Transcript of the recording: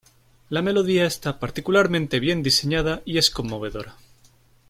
La melodía está particularmente bien diseñada y es conmovedora.